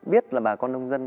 biết là bà con nông dân